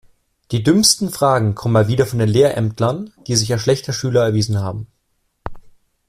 Die dümmsten Fragen kommen mal wieder von den Lehrämtlern, die sich als schlechte Schüler erwiesen haben.